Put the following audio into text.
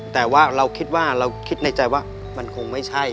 แต่ว่าเราคิดว่าเราคิดในใจว่ามันคงไม่ใช่